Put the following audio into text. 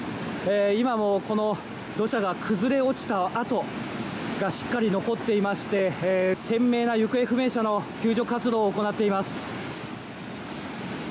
今も土砂が崩れ落ちた跡がしっかり残ってまして懸命な行方不明者の救助活動を行っています。